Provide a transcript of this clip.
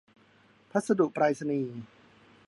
พัสดุไปรษณีย์